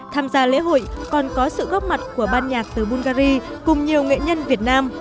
tham gia lễ hội còn có sự góp mặt của ban nhạc từ bungary cùng nhiều nghệ nhân việt nam